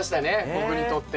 僕にとっては。